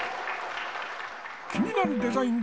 気になるデザイン